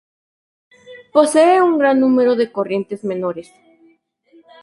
Posee un gran número de corrientes menores.